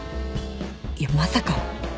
いやまさか